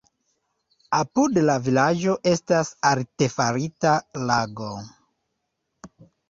Apud la vilaĝo estas artefarita lago.